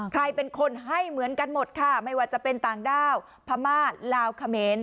ใครเป็นคนให้เหมือนกันหมดค่ะไม่ว่าจะเป็นต่างด้าวพม่าลาวเขมร